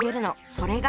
それが。